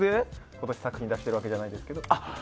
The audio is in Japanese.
今年作品出してるわけじゃないですけど。